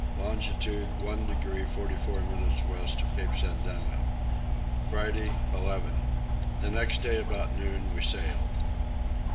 Longitude 1 degree 44 minutes west of Cape Sandana. Friday 11. The next day about noon we sailed.